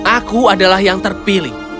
aku adalah yang terpilih